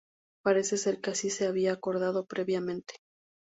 Parece ser que así se había acordado previamente.